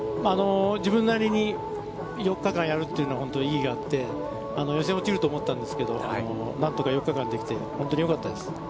自分なりに４日間やるというのは本当に意義があって、予選落ちると思ったんですけど、何とか４日間できて、本当によかったです。